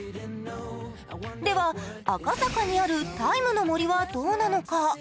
では、赤坂にある「ＴＩＭＥ，の森」はどうなのか。